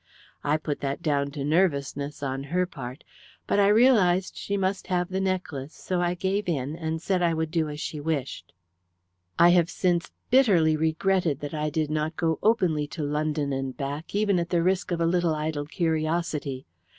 I put that down to nervousness on her part, but I realized she must have the necklace, so I gave in, and said I would do as she wished. I have since bitterly regretted that I did not go openly to London and back, even at the risk of a little idle curiosity.